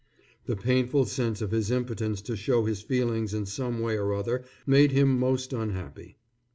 The painful sense of his impotence to show his feelings in some way or other made him most unhappy.